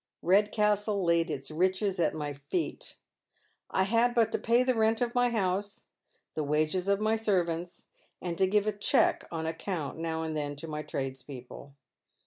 Eedcastle laid its riches at my feet. I had but to pay the rent of my house, the wages of my servants, and to j^ive a cheque on account now and then to my tradespeople.